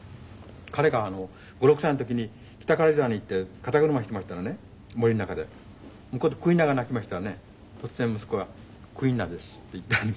彼が５６歳の時に北軽井沢に行って肩車してましたらね森の中で向こうでクイナが鳴きましたらね突然息子が「クイナです」って言ったんです。